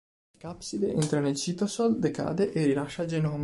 Il capside entra nel citosol, decade e rilascia il genoma.